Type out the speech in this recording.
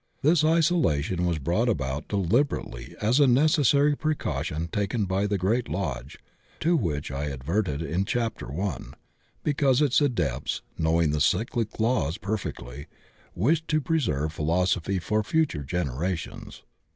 This isolation was brought about deliberately as a necessary precaution taken by that great Lodge to which I adverted in Chapter I, because its Adepts, knowing the cyclic laws perfectly, wished to preserve philosophy for future generations.